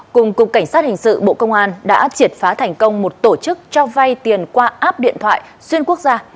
cùng cục cảnh sát hình sự bộ công an đã triệt phá thành công một tổ chức cho vay tiền qua app điện thoại xuyên quốc gia